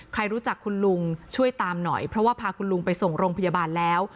ใครรู้จักคุณลุงช่วยตามหน่อยเพราะว่าพาคุณลุงไปส่งโรงพยาบาลแล้ว